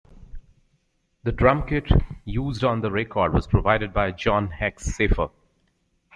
The drumkit used on the record was provided by John "Hexx" Shafer.